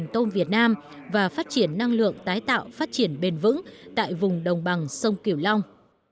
tôm việt nam và phát triển năng lượng tái tạo phát triển bền vững tại vùng đồng bằng sông kiểu long